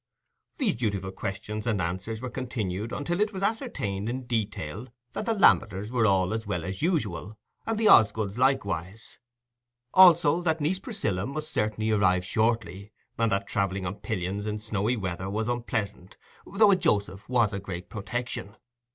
These dutiful questions and answers were continued until it was ascertained in detail that the Lammeters were all as well as usual, and the Osgoods likewise, also that niece Priscilla must certainly arrive shortly, and that travelling on pillions in snowy weather was unpleasant, though a joseph was a great protection.